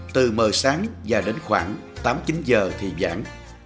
từ mờ sáng và đến khoảng tám chín giờ thì giãn